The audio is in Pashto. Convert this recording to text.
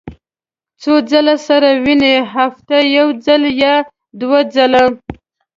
څو ځله سره وینئ؟ هفتې یوځل یا دوه ځله